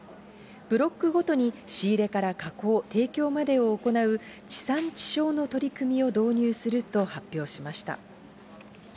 ブロックごとに仕入れから加工、提供までを行う地産地消の取り組みを導入すると発表しました。